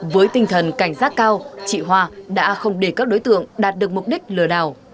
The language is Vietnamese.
với tinh thần cảnh giác cao chị hoa đã không để các đối tượng đạt được mục đích lừa đảo